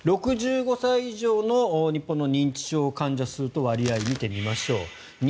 ６５歳以上の日本の認知症患者数と割合見てみましょう。